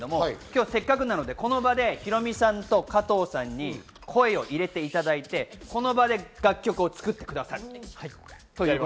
せっかくなので、この場でヒロミさんと加藤さんに声を入れていただいて、その場で楽曲を作ってくださいます。